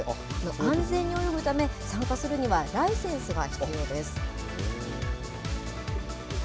安全に泳ぐため、参加するにはライセンスが必要です。